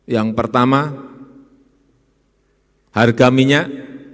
yang pertama harga minyak